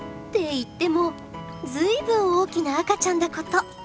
いっても随分大きな赤ちゃんだこと！